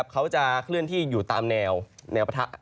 เขาจะเคลื่อนที่อยู่ตามแนวปะทะ